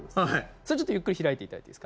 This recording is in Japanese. それちょっとゆっくり開いていただいていいですか。